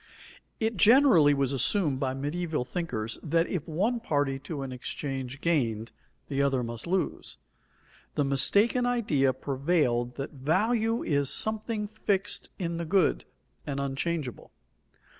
_ It generally was assumed by medieval thinkers that if one party to an exchange gained, the other must lose. The mistaken idea prevailed that value is something fixed in the good, and unchangeable.